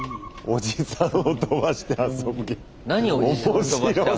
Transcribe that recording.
おじさんを飛ばして遊ぶゲームって。